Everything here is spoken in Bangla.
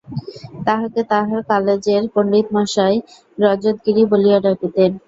তাহাকে তাহার কালেজের পণ্ডিতমহাশয় রজতগিরি বলিয়া ডাকিতেন।